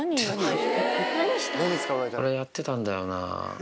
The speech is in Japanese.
これやってたんだよな。